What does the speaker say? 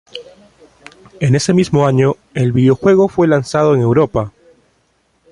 En ese mismo año el videojuego fue lanzado en Europa.